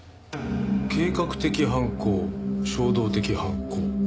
計画的犯行衝動的犯行。